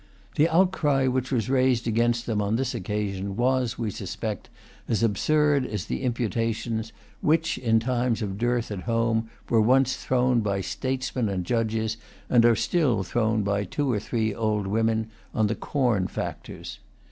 The outcry which was raised against them on this occasion was, we suspect, as absurd as the imputations which, in times of dearth at home, were once thrown by statesmen and judges, and are still thrown by two or three old women, on the corn factors.